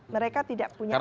mereka tidak punya lagi